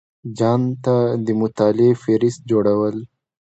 ځان ته د مطالعې فهرست جوړول